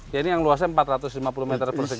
jadi yang luasnya empat ratus lima puluh meter persegi